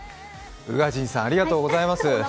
宇賀神さん、ありがとうございます。